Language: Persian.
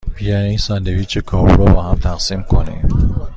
بیا این ساندویچ کاهو را باهم تقسیم کنیم.